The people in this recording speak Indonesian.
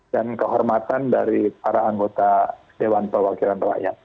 dan kehormatan dari para anggota dewan perwakilan rakyat